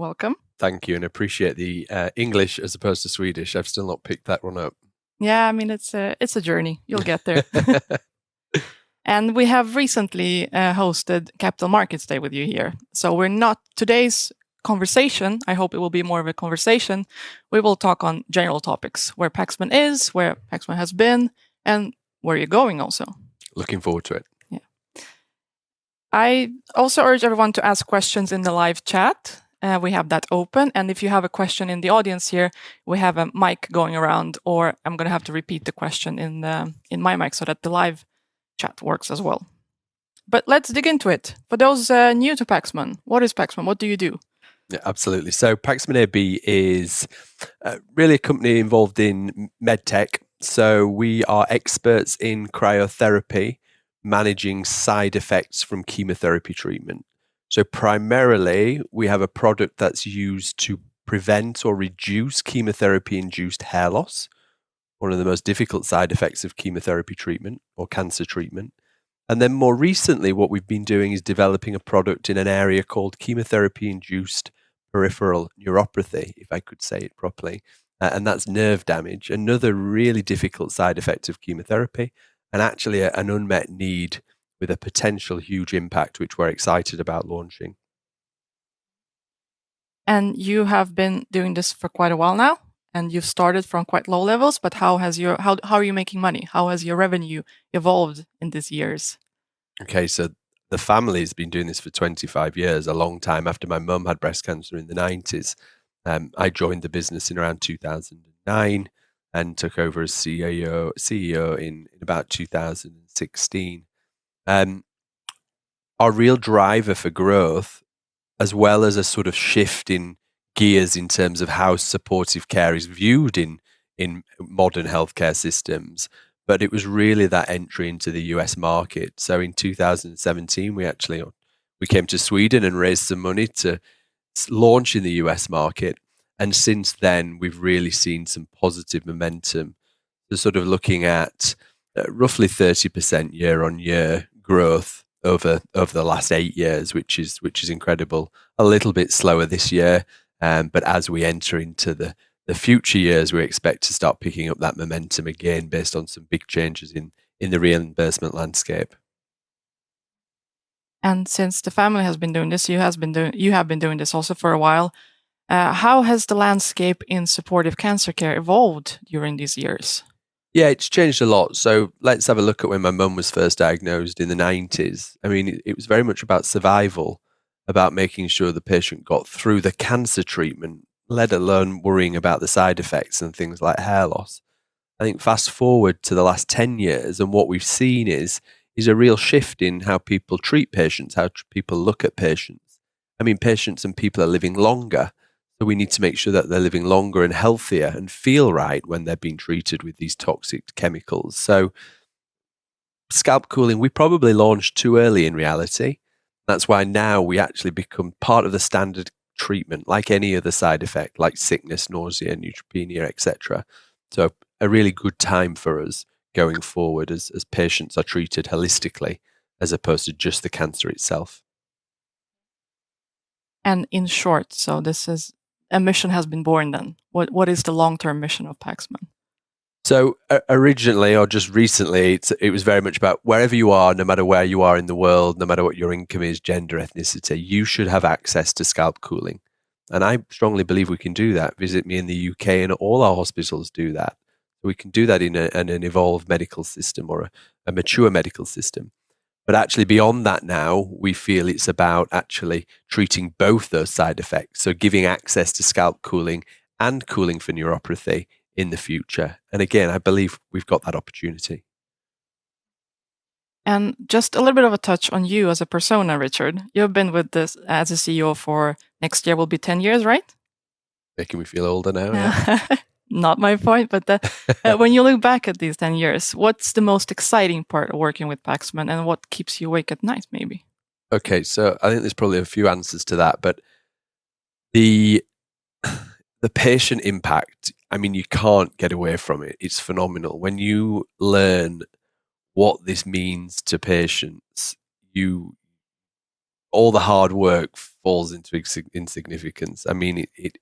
Welcome. Thank you, and I appreciate the English as opposed to Swedish. I've still not picked that one up. Yeah, I mean, it's a—it's a journey. You'll get there. And we have recently hosted Capital Markets Day with you here. Today's conversation, I hope it will be more of a conversation. We will talk on general topics: where Paxman is, where Paxman has been, and where you're going also. Looking forward to it. Yeah. I also urge everyone to ask questions in the live chat. We have that open. If you have a question in the audience here, we have a mic going around, or I'm going to have to repeat the question in my mic so that the live chat works as well. Let's dig into it. For those new to Paxman, what is Paxman? What do you do? Yeah, absolutely. Paxman AB is really a company involved in medtech. We are experts in cryotherapy, managing side effects from chemotherapy treatment. Primarily, we have a product that's used to prevent or reduce chemotherapy-induced hair loss, one of the most difficult side effects of chemotherapy treatment or cancer treatment. More recently, what we've been doing is developing a product in an area called chemotherapy-induced peripheral neuropathy, if I could say it properly. That's nerve damage, another really difficult side effect of chemotherapy, and actually an unmet need with a potential huge impact, which we're excited about launching. You have been doing this for quite a while now, and you've started from quite low levels. How are you making money? How has your revenue evolved in these years? Okay, so the family has been doing this for 25 years, a long time after my mum had breast cancer in the 1990s. I joined the business in around 2009 and took over as CEO in about 2016. Our real driver for growth, as well as a sort of shift in gears in terms of how supportive care is viewed in, in modern healthcare systems, but it was really that entry into the U.S. market. In 2017, we actually came to Sweden and raised some money to launch in the U.S. market. Since then, we've really seen some positive momentum. Sort of looking at roughly 30% year-on-year growth over the last eight years, which is incredible. A little bit slower this year, but as we enter into the future years, we expect to start picking up that momentum again based on some big changes in the reimbursement landscape. Since the family has been doing this, you have been doing—you have been doing this also for a while. How has the landscape in supportive cancer care evolved during these years? Yeah, it's changed a lot. Let's have a look at when my mum was first diagnosed in the 1990s. I mean, it was very much about survival, about making sure the patient got through the cancer treatment, let alone worrying about the side effects and things like hair loss. I think fast forward to the last 10 years, and what we've seen is a real shift in how people treat patients, how people look at patients. I mean, patients and people are living longer, so we need to make sure that they're living longer and healthier and feel right when they're being treated with these toxic chemicals. Scalp cooling, we probably launched too early in reality. That's why now we actually become part of the standard treatment, like any other side effect, like sickness, nausea, neutropenia, etc. A really good time for us going forward as, as patients are treated holistically, as opposed to just the cancer itself. In short, this is—a mission has been born then. What, what is the long-term mission of Paxman? Originally, or just recently, it was very much about wherever you are, no matter where you are in the world, no matter what your income is, gender, ethnicity, you should have access to scalp cooling. I strongly believe we can do that. Visit me in the U.K., and all our hospitals do that. We can do that in an evolved medical system or a mature medical system. Actually, beyond that now, we feel it is about actually treating both those side effects, so giving access to scalp cooling and cooling for neuropathy in the future. Again, I believe we have that opportunity. Just a little bit of a touch on you as a persona, Richard. You've been with this as a CEO for next year will be 10 years, right? Making me feel older now. Not my point, but, when you look back at these 10 years, what's the most exciting part of working with Paxman, and what keeps you awake at night, maybe? Okay, I think there's probably a few answers to that, but the patient impact, I mean, you can't get away from it. It's phenomenal. When you learn what this means to patients, you—all the hard work falls into insignificance. I mean, it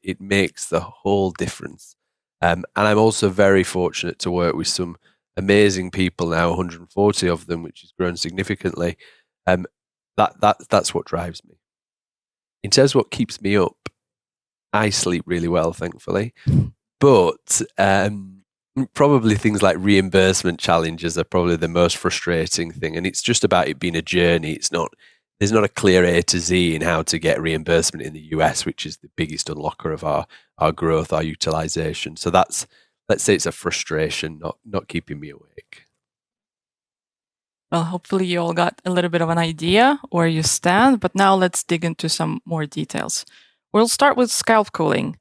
makes the whole difference. I am also very fortunate to work with some amazing people now, 140 of them, which has grown significantly. That is what drives me. In terms of what keeps me up, I sleep really well, thankfully. Probably things like reimbursement challenges are probably the most frustrating thing. It is just about it being a journey. There is not a clear A to Z in how to get reimbursement in the U.S., which is the biggest unlocker of our growth, our utilization. That is, let's say, a frustration, not keeping me awake. Hopefully you all got a little bit of an idea where you stand. Now let's dig into some more details. We'll start with scalp cooling.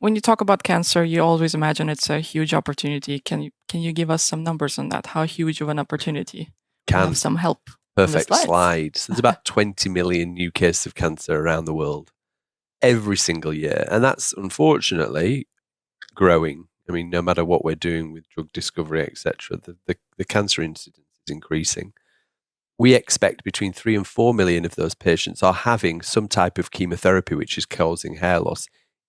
When you talk about cancer, you always imagine it's a huge opportunity. Can you give us some numbers on that? How huge of an opportunity? Give us some help. Perfect slides. There are about 20 million new cases of cancer around the world every single year. That's, unfortunately, growing. I mean, no matter what we're doing with drug discovery, etc., the cancer incidence is increasing. We expect between 3 million and 4 million of those patients are having some type of chemotherapy, which is causing hair loss,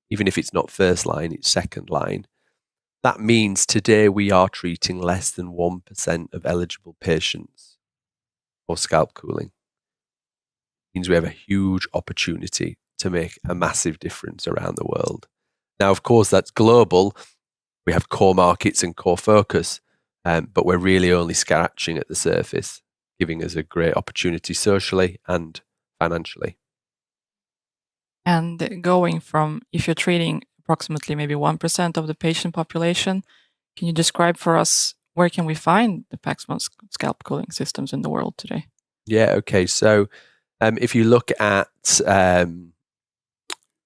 even if it's not first line, it's second line. That means today we are treating less than 1% of eligible patients for scalp cooling. It means we have a huge opportunity to make a massive difference around the world. Now, of course, that's global. We have core markets and core focus, but we're really only scratching at the surface, giving us a great opportunity socially and financially. If you're treating approximately maybe 1% of the patient population, can you describe for us where can we find the Paxman scalp cooling systems in the world today? Yeah, okay. If you look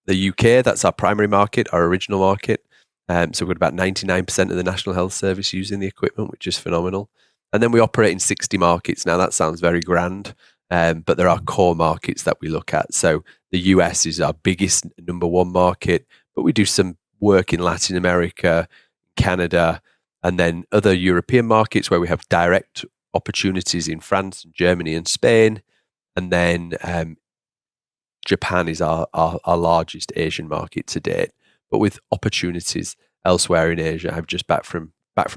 at the U.K., that's our primary market, our original market. We've got about 99% of the National Health Service using the equipment, which is phenomenal. We operate in 60 markets. That sounds very grand, but there are core markets that we look at. The U.S. is our biggest number one market, but we do some work in Latin America, Canada, and other European markets where we have direct opportunities in France and Germany and Spain. Japan is our largest Asian market to date, but with opportunities elsewhere in Asia. I'm just back from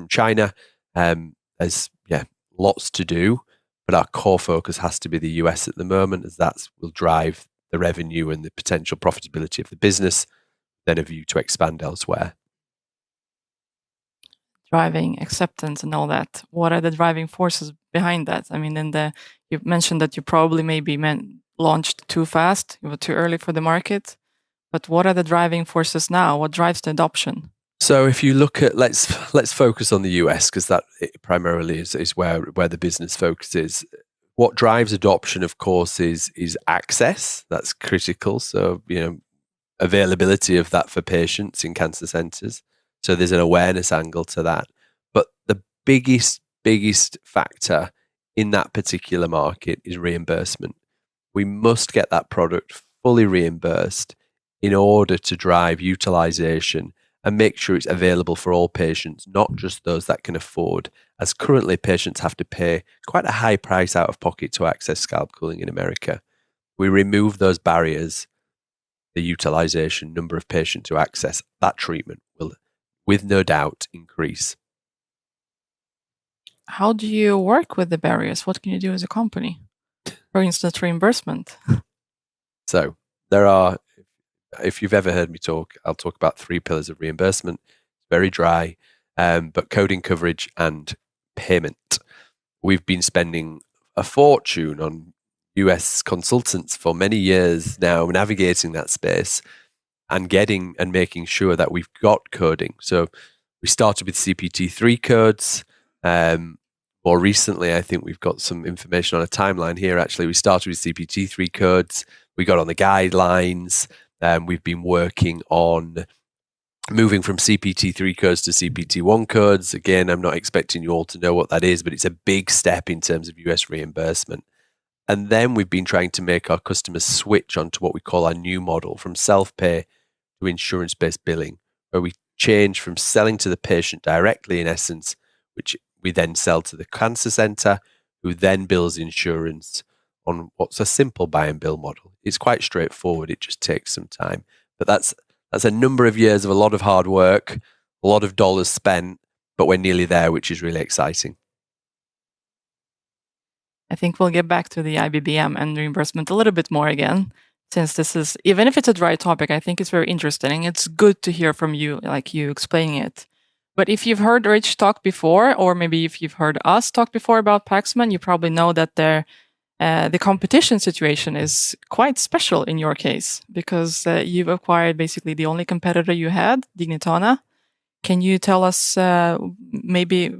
China, there's lots to do, but our core focus has to be the U.S. at the moment, as that will drive the revenue and the potential profitability of the business, then a view to expand elsewhere. Driving acceptance and all that. What are the driving forces behind that? I mean, in the, you've mentioned that you probably maybe meant launched too fast. You were too early for the market. What are the driving forces now? What drives the adoption? If you look at, let's focus on the U.S., because that primarily is where the business focuses. What drives adoption, of course, is access. That's critical. You know, availability of that for patients in cancer centers. There's an awareness angle to that. The biggest, biggest factor in that particular market is reimbursement. We must get that product fully reimbursed in order to drive utilization and make sure it's available for all patients, not just those that can afford, as currently patients have to pay quite a high price out of pocket to access scalp cooling in America. If we remove those barriers, the utilization, number of patients who access that treatment will, with no doubt, increase. How do you work with the barriers? What can you do as a company? For instance, reimbursement. If you've ever heard me talk, I'll talk about three pillars of reimbursement. It's very dry, but coding, coverage, and payment. We've been spending a fortune on U.S. consultants for many years now, navigating that space and making sure that we've got coding. We started with CPT III codes. More recently, I think we've got some information on a timeline here. Actually, we started with CPT III codes. We got on the guidelines. We've been working on moving from CPT III codes to CPT I codes. Again, I'm not expecting you all to know what that is, but it's a big step in terms of U.S. reimbursement. We have been trying to make our customers switch onto what we call our new model from self-pay to insurance-based billing, where we change from selling to the patient directly, in essence, which we then sell to the cancer center, who then bills insurance on what's a simple buy-and-bill model. It is quite straightforward. It just takes some time. That is a number of years of a lot of hard work, a lot of dollars spent, but we are nearly there, which is really exciting. I think we'll get back to the IBBM and reimbursement a little bit more again, since this is, even if it's a dry topic, I think it's very interesting. It's good to hear from you, like you explain it. If you've heard Rich talk before, or maybe if you've heard us talk before about Paxman, you probably know that the competition situation is quite special in your case, because you've acquired basically the only competitor you had, Dignitana. Can you tell us, maybe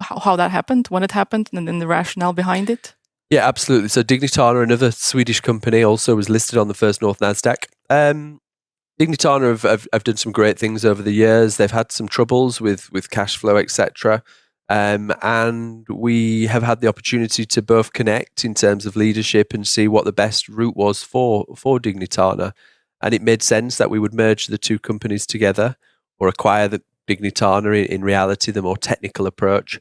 how that happened, when it happened, and then the rationale behind it? Yeah, absolutely. Dignitana, another Swedish company, also was listed on the Nasdaq First North. Dignitana have done some great things over the years. They've had some troubles with cash flow, etc. and we have had the opportunity to both connect in terms of leadership and see what the best route was for Dignitana. It made sense that we would merge the two companies together or acquire Dignitana, in reality, the more technical approach.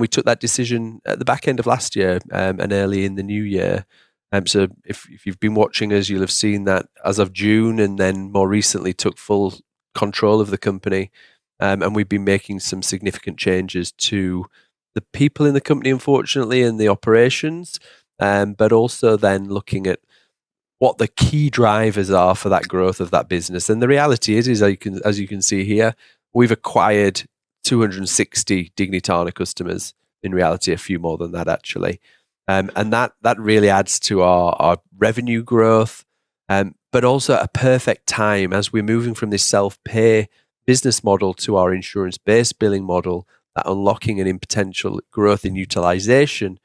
We took that decision at the back end of last year, and early in the new year. If you've been watching us, you'll have seen that as of June, and then more recently took full control of the company. We've been making some significant changes to the people in the company, unfortunately, and the operations, but also then looking at what the key drivers are for that growth of that business. The reality is, as you can see here, we've acquired 260 Dignitana customers, in reality, a few more than that, actually. That really adds to our revenue growth, but also at a perfect time, as we're moving from this self-pay business model to our Insurance-Based Billing Model, that unlocking and in potential growth in utilization,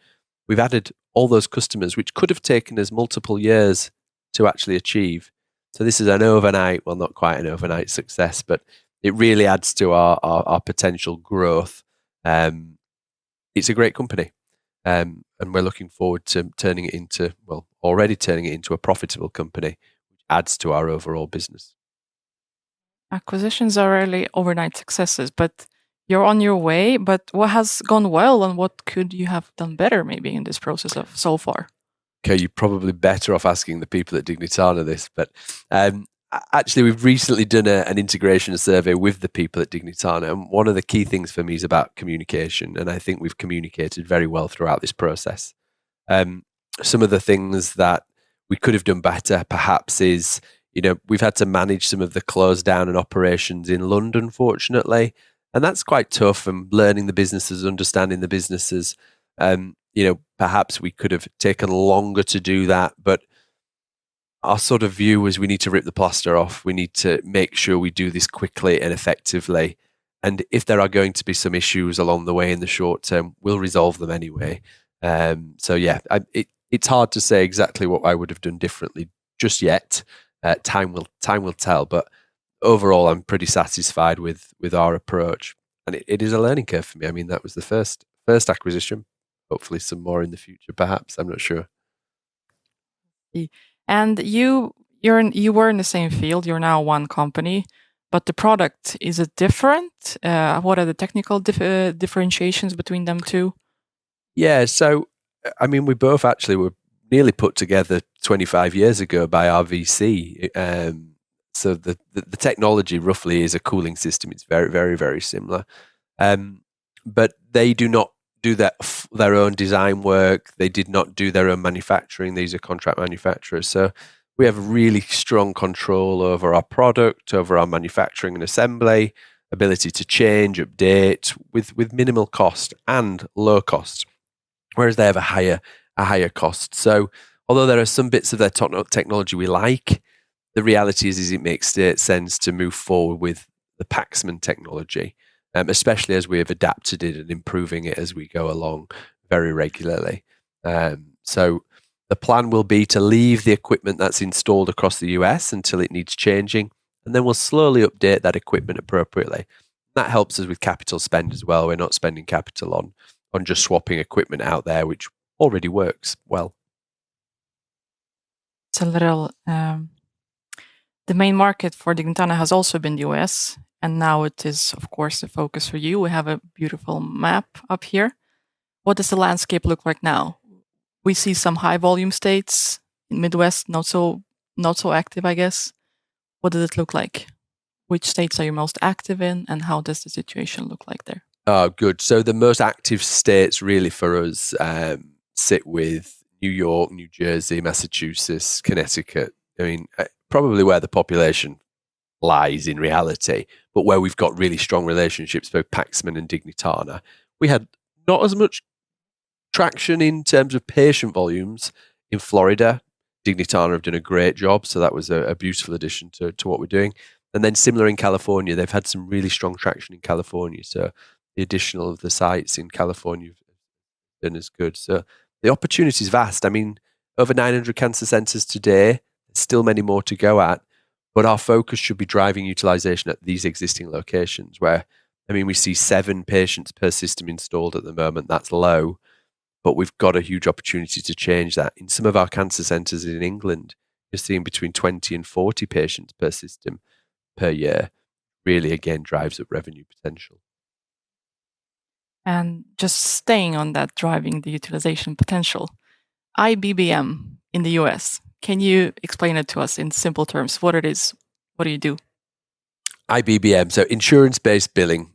we've added all those customers, which could have taken us multiple years to actually achieve. This is an overnight, well, not quite an overnight success, but it really adds to our potential growth. It's a great company. We're looking forward to turning it into, well, already turning it into a profitable company, which adds to our overall business. Acquisitions are really overnight successes, but you're on your way. What has gone well and what could you have done better, maybe, in this process so far? Okay, you're probably better off asking the people at Dignitana this, but, actually, we've recently done an integration survey with the people at Dignitana. One of the key things for me is about communication. I think we've communicated very well throughout this process. Some of the things that we could have done better, perhaps, is, you know, we've had to manage some of the close down and operations in London, fortunately. That's quite tough and learning the businesses, understanding the businesses. You know, perhaps we could have taken longer to do that, but our sort of view is we need to rip the plaster off. We need to make sure we do this quickly and effectively. If there are going to be some issues along the way in the short term, we'll resolve them anyway. Yeah, I'm, it's hard to say exactly what I would have done differently just yet. Time will, time will tell. Overall, I'm pretty satisfied with our approach. It is a learning curve for me. I mean, that was the first acquisition. Hopefully some more in the future, perhaps. I'm not sure. You were in the same field. You're now one company. But the product, is it different? What are the technical differentiations between them two? Yeah, so, I mean, we both actually were nearly put together 25 years ago by our VC. The technology roughly is a cooling system. It's very, very, very similar. They do not do their own design work. They did not do their own manufacturing. These are contract manufacturers. We have a really strong control over our product, over our manufacturing and assembly, ability to change, update with minimal cost and low cost, whereas they have a higher cost. Although there are some bits of their technology we like, the reality is it makes sense to move forward with the Paxman technology, especially as we have adapted it and improving it as we go along very regularly. The plan will be to leave the equipment that's installed across the U.S. until it needs changing, and then we'll slowly update that equipment appropriately. That helps us with capital spend as well. We're not spending capital on just swapping equipment out there, which already works well. It's a little, the main market for Dignitana has also been the U.S., and now it is, of course, the focus for you. We have a beautiful map up here. What does the landscape look like now? We see some high volume states in Midwest, not so, not so active, I guess. What does it look like? Which states are you most active in, and how does the situation look like there? Good. The most active states really for us sit with New York, New Jersey, Massachusetts, Connecticut. I mean, probably where the population lies in reality, but where we've got really strong relationships for Paxman and Dignitana. We had not as much traction in terms of patient volumes in Florida. Dignitana have done a great job. That was a beautiful addition to what we're doing. Similar in California, they've had some really strong traction in California. The addition of the sites in California has been as good. The opportunity is vast. I mean, over 900 cancer centers today, still many more to go at, but our focus should be driving utilization at these existing locations where, I mean, we see seven patients per system installed at the moment. That's low, but we've got a huge opportunity to change that. In some of our cancer centers in England, you're seeing between 20 and 40 patients per system per year, really, again, drives up revenue potential. Just staying on that, driving the utilization potential, IBBM in the U.S., can you explain it to us in simple terms? What it is, what do you do? IBBM, so insurance-based billing,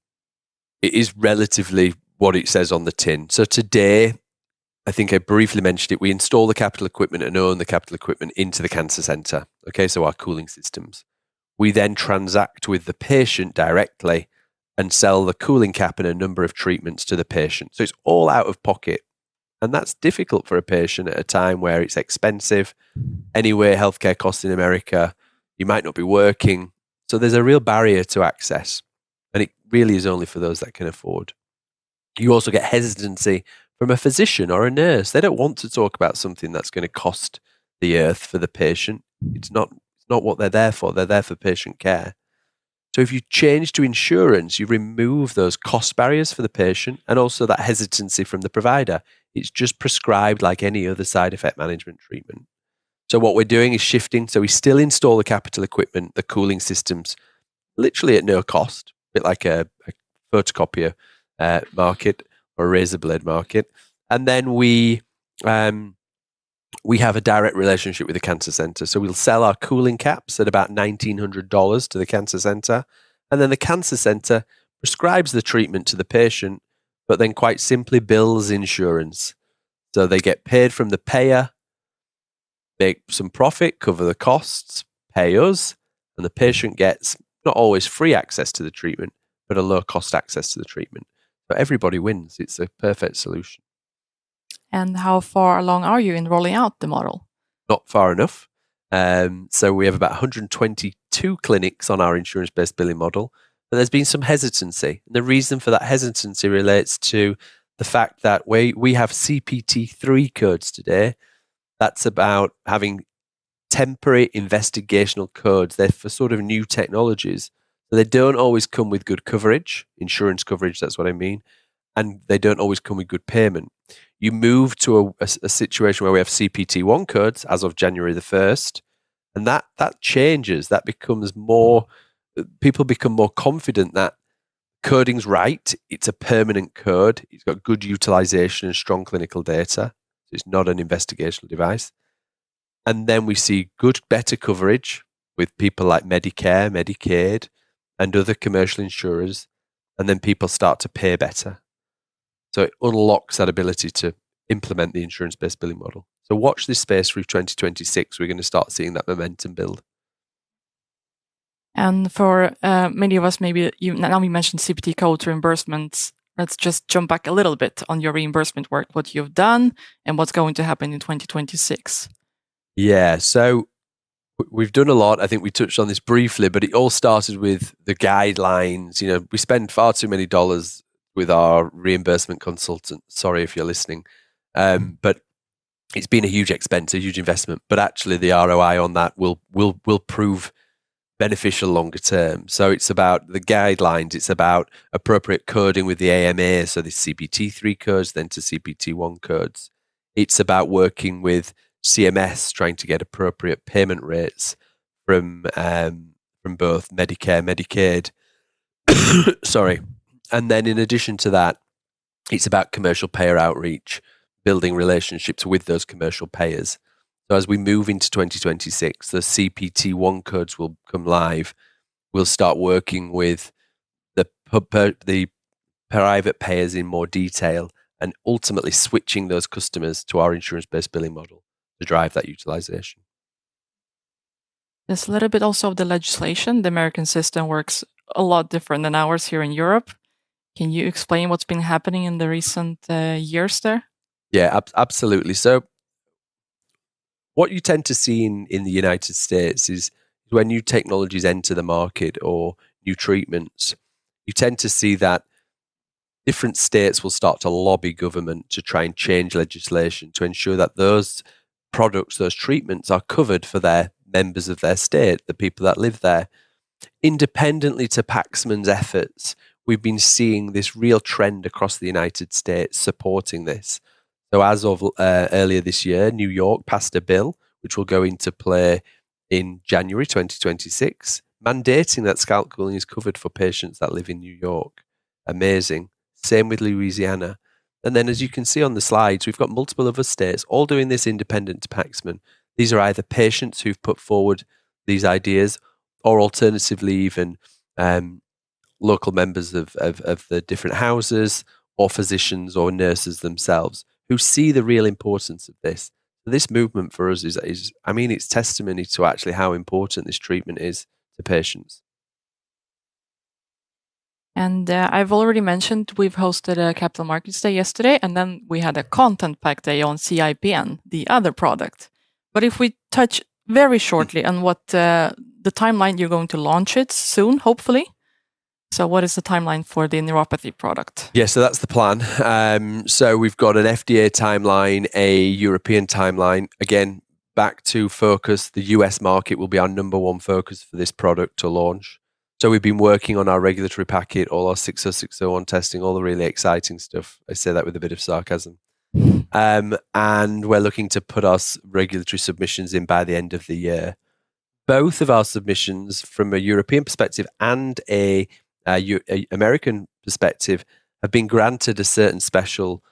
it is relatively what it says on the tin. Today, I think I briefly mentioned it, we install the capital equipment and own the capital equipment into the cancer center, okay, so our cooling systems. We then transact with the patient directly and sell the cooling cap and a number of treatments to the patient. It is all out of pocket. That is difficult for a patient at a time where it is expensive, anyway, healthcare costs in America, you might not be working. There is a real barrier to access, and it really is only for those that can afford. You also get hesitancy from a physician or a nurse. They do not want to talk about something that is going to cost the earth for the patient. It is not what they are there for. They are there for patient care. If you change to insurance, you remove those cost barriers for the patient and also that hesitancy from the provider. It's just prescribed like any other side effect management treatment. What we're doing is shifting. We still install the capital equipment, the cooling systems, literally at no cost, a bit like a photocopier market or a razor blade market. We have a direct relationship with the cancer center. We'll sell our cooling caps at about $1,900 to the cancer center. The cancer center prescribes the treatment to the patient, but then quite simply bills insurance. They get paid from the payer, make some profit, cover the costs, pay us, and the patient gets not always free access to the treatment, but a low cost access to the treatment. Everybody wins. It's a perfect solution. How far along are you in rolling out the model? Not far enough. We have about 122 clinics on our Insurance-Based Billing Model, but there's been some hesitancy. The reason for that hesitancy relates to the fact that we have CPT III codes today. That's about having temporary investigational codes. They're for sort of new technologies. They don't always come with good coverage, insurance coverage, that's what I mean. They don't always come with good payment. You move to a situation where we have CPT I codes as of January 1, and that changes. That becomes more, people become more confident that coding's right. It's a permanent code. It's got good utilization and strong clinical data. It's not an investigational device. We see better coverage with people like Medicare, Medicaid, and other commercial insurers, and people start to pay better. It unlocks that ability to implement the Insurance-Based Billing Model. Watch this space through 2026. We're going to start seeing that momentum build. For many of us, maybe you, now you mentioned CPT code reimbursements. Let's just jump back a little bit on your reimbursement work, what you've done and what's going to happen in 2026. Yeah, so we've done a lot. I think we touched on this briefly, but it all started with the guidelines. You know, we spend far too many dollars with our reimbursement consultants. Sorry if you're listening. It's been a huge expense, a huge investment, but actually the ROI on that will prove beneficial longer term. It's about the guidelines. It's about appropriate coding with the AMA. The CPT III codes, then to CPT I codes. It's about working with CMS, trying to get appropriate payment rates from both Medicare, Medicaid. Sorry. In addition to that, it's about commercial payer outreach, building relationships with those commercial payers. As we move into 2026, the CPT I codes will come live. We'll start working with the private payers in more detail and ultimately switching those customers to our Insurance-Based Billing Model to drive that utilization. There's a little bit also of the legislation. The American system works a lot different than ours here in Europe. Can you explain what's been happening in the recent years there? Yeah, absolutely. What you tend to see in the United States is when new technologies enter the market or new treatments, you tend to see that different states will start to lobby government to try and change legislation to ensure that those products, those treatments are covered for their members of their state, the people that live there. Independently to Paxman's efforts, we've been seeing this real trend across the United States supporting this. As of earlier this year, New York passed a bill, which will go into play in January 2026, mandating that scalp cooling is covered for patients that live in New York. Amazing. Same with Louisiana. As you can see on the slides, we've got multiple other states all doing this independent to Paxman. These are either patients who've put forward these ideas or alternatively even local members of the different houses or physicians or nurses themselves who see the real importance of this. This movement for us is, I mean, it's testimony to actually how important this treatment is to patients. I've already mentioned we hosted a Capital Markets Day yesterday, and then we had a content-packed day on CIPN, the other product. If we touch very shortly on what, the timeline, you're going to launch it soon, hopefully. What is the timeline for the neuropathy product? Yeah, so that's the plan. We've got an FDA timeline, a European timeline. Again, back to focus, the U.S. market will be our number one focus for this product to launch. We've been working on our regulatory packet, all our 60601 testing, all the really exciting stuff. I say that with a bit of sarcasm. We're looking to put our regulatory submissions in by the end of the year. Both of our submissions from a European perspective and an American perspective have been granted certain special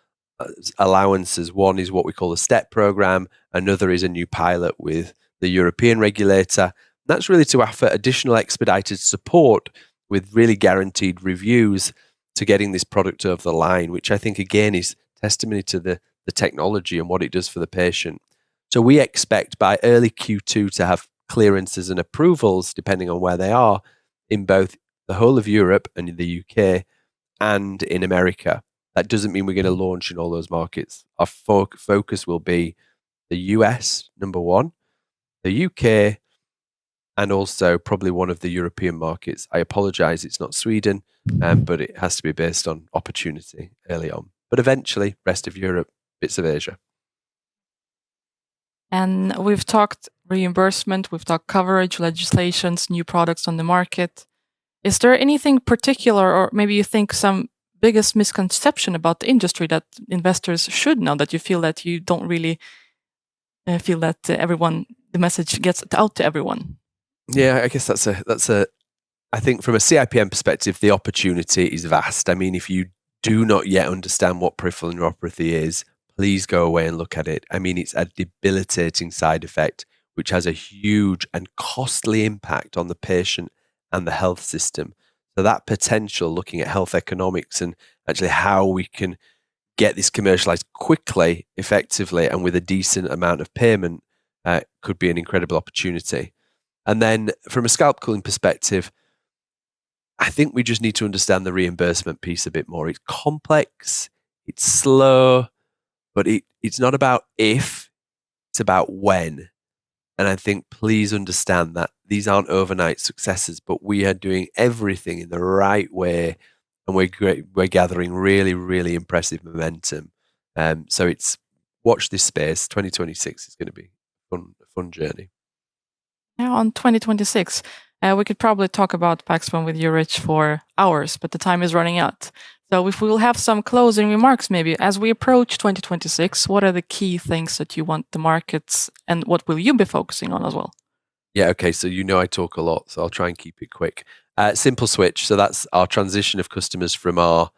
allowances. One is what we call a STeP program. Another is a new pilot with the European regulator. That's really to offer additional expedited support with really guaranteed reviews to getting this product over the line, which I think, again, is testimony to the technology and what it does for the patient. We expect by early Q2 to have clearances and approvals depending on where they are in both the whole of Europe and in the U.K. and in America. That does not mean we are going to launch in all those markets. Our focus will be the U.S. number one, the U.K., and also probably one of the European markets. I apologize, it is not Sweden, but it has to be based on opportunity early on, but eventually rest of Europe, bits of Asia. We've talked reimbursement, we've talked coverage legislations, new products on the market. Is there anything particular or maybe you think some biggest misconception about the industry that investors should know that you feel that you don't really feel that everyone, the message gets out to everyone? Yeah, I guess that's a, that's a, I think from a CIPN perspective, the opportunity is vast. I mean, if you do not yet understand what peripheral neuropathy is, please go away and look at it. I mean, it's a debilitating side effect, which has a huge and costly impact on the patient and the health system. So that potential, looking at health economics and actually how we can get this commercialized quickly, effectively, and with a decent amount of payment, could be an incredible opportunity. Then from a scalp cooling perspective, I think we just need to understand the reimbursement piece a bit more. It's complex, it's slow, but it's not about if, it's about when. I think please understand that these aren't overnight successes, but we are doing everything in the right way and we're gathering really, really impressive momentum. It's watch this space. 2026 is going to be a fun, fun journey. Now on 2026, we could probably talk about Paxman with you, Rich, for hours, but the time is running out. If we'll have some closing remarks, maybe as we approach 2026, what are the key things that you want the markets and what will you be focusing on as well? Yeah, okay. You know, I talk a lot, so I'll try and keep it quick. Simple Switch. That's our transition of customers from our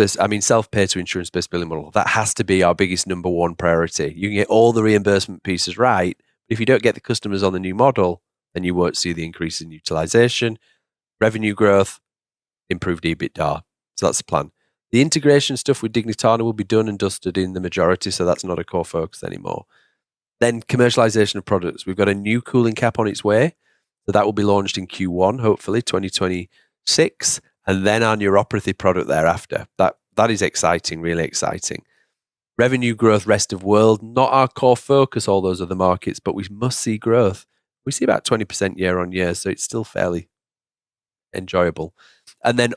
self-pay to Insurance-Based Billing Model. That has to be our biggest number one priority. You can get all the reimbursement pieces right, but if you don't get the customers on the new model, then you won't see the increase in utilization, revenue growth, improved EBITDA. That's the plan. The integration stuff with Dignitana will be done and dusted in the majority, so that's not a core focus anymore. Commercialization of products. We've got a new cooling cap on its way. That will be launched in Q1, hopefully 2026, and then our neuropathy product thereafter. That is exciting, really exciting. Revenue growth, rest of world, not our core focus, all those other markets, but we must see growth. We see about 20% year on year, so it's still fairly enjoyable.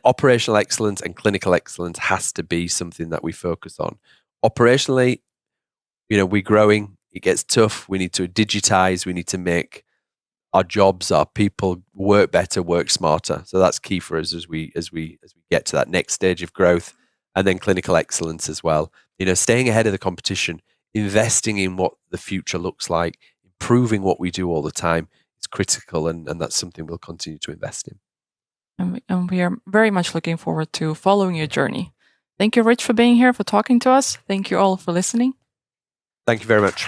Operational excellence and clinical excellence has to be something that we focus on. Operationally, you know, we're growing, it gets tough, we need to digitize, we need to make our jobs, our people work better, work smarter. That's key for us as we get to that next stage of growth. Clinical excellence as well. You know, staying ahead of the competition, investing in what the future looks like, improving what we do all the time, it's critical and that's something we'll continue to invest in. We are very much looking forward to following your journey. Thank you, Rich, for being here, for talking to us. Thank you all for listening. Thank you very much.